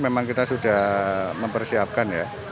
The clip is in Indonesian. memang kita sudah mempersiapkan ya